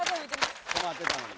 止まってたのに。